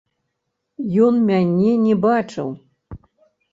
Ён мяне не бачыў.